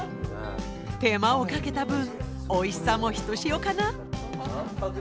手間をかけた分おいしさもひとしおかな。